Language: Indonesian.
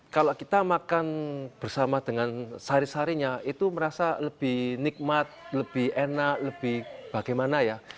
kalau kita makan bersama dengan sari sarinya itu merasa lebih nikmat lebih enak lebih bagaimana ya